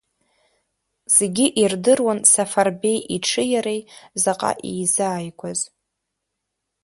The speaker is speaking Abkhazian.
Зегьы ирдыруан Сафарбеи иҽи иареи заҟа еизааигәаз.